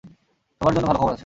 সবার জন্য ভালো খবর আছে।